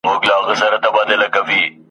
ویل زه مي خپل پاچا یم را لېږلی !.